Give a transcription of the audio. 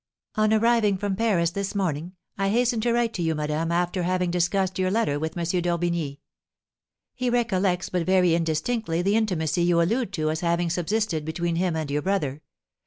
"'On arriving from Paris this morning, I hasten to write to you, madame, after having discussed your letter with M. d'Orbigny. He recollects but very indistinctly the intimacy you allude to as having subsisted between him and your brother.